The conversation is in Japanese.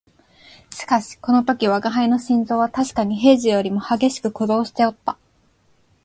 しかしこの時吾輩の心臓はたしかに平時よりも烈しく鼓動しておった